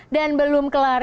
dan belum kelamin